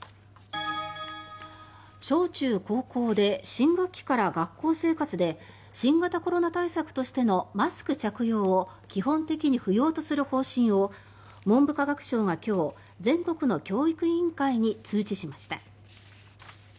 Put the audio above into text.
小中高校で新学期から学校生活で新型コロナ対策としてのマスク着用を基本的に不要とする方針を文部科学省が今日全国の教育委員会に通知しました。